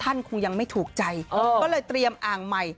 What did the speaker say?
คงยังไม่ถูกใจก็เลยเตรียมอ่างใหม่